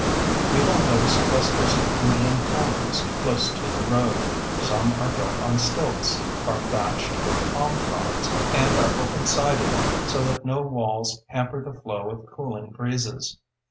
You will notice clusters of Indian homes close to the road. Some are built on stilts, are thatched with palm fronds, and are open sided so that no walls hamper the flow of cooling breezes.